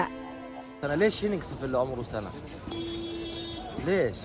kenapa saya berharga selama satu tahun